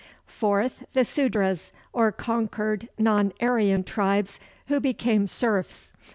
Fourth, the Sudras, or conquered non Aryan tribes, who became serfs.